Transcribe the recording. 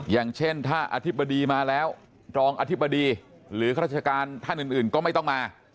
อย่างเช่นถ้าอธิบดีมาแล้วรองอธิบดีหรือข้าราชการท่านอื่นก็ไม่ต้องมา